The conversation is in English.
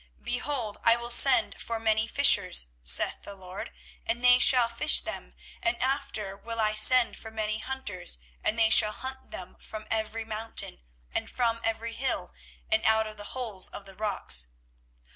24:016:016 Behold, I will send for many fishers, saith the LORD, and they shall fish them; and after will I send for many hunters, and they shall hunt them from every mountain, and from every hill, and out of the holes of the rocks.